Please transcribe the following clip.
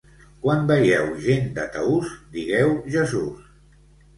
Quan veieu gent de Taús, digueu Jesús!